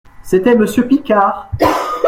C'était monsieur Picard.